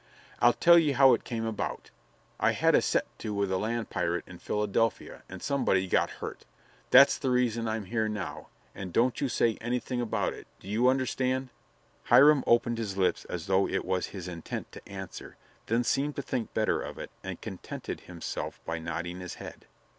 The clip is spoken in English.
I'll tell ye how it came about: I had a set to with a land pirate in Philadelphia, and somebody got hurt. That's the reason I'm here now, and don't you say anything about it. Do you understand?" Hiram opened his lips as though it was his intent to answer, then seemed to think better of it and contented himself by nodding his head.